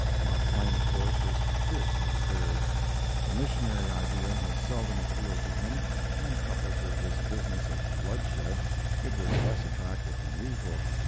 Mark Twain, of course, was fiercely stirred. The missionary idea had seldom appealed to him, and coupled with this business of bloodshed, it was less attractive than usual.